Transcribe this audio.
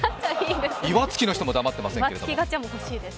岩槻の人も黙ってませんけど。